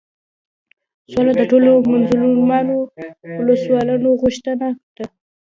سوله د ټولو مظلومو اولسونو غوښتنه ده.